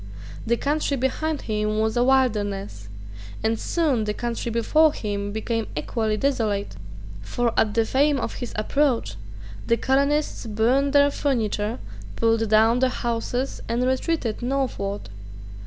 The country behind him was a wilderness; and soon the country before him became equally desolate. For at the fame of his approach the colonists burned their furniture, pulled down their houses, and retreated northward.